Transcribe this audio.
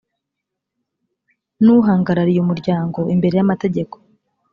n uhangarariye umuryango imbere y amategeko